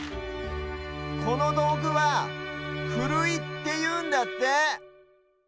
このどうぐは「ふるい」っていうんだって。